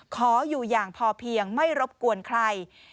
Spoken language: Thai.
ขออยู่อย่างพอเพียงไม่รบกวนใคร